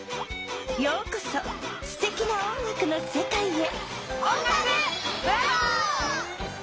ようこそすてきな音楽のせかいへ！